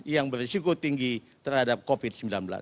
yang berisiko tinggi terhadap covid sembilan belas